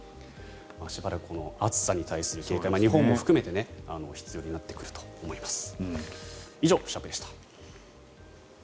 しばらく暑さに対する警戒日本も含めて必要になってくると思います。